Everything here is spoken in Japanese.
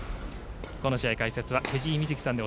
この試合、解説は藤井瑞希さん。